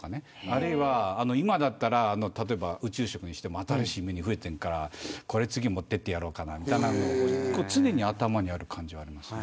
あるいは今だったら宇宙食にしても新しいメニュー増えているからこれ次持っていってやろうかなみたいな常に頭にある感じがあります。